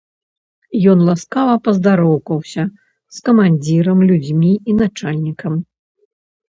Ён ласкава паздароўкаўся з камандзірам, людзьмі і начальнікам.